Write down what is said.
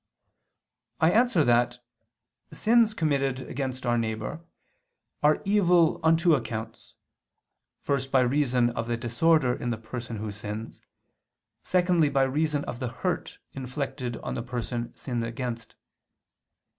I answer that, Sins committed against our neighbor are evil on two counts; first by reason of the disorder in the person who sins, secondly by reason of the hurt inflicted on the person sinned against.